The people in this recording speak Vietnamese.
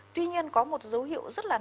tuy nhiên có một dấu hiệu rất là đúng